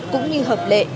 cũng như hợp lệ